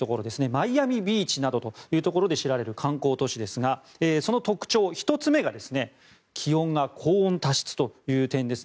マイアミビーチなどで知られる観光都市ですがその特徴、１つ目が気温が高温多湿という点です。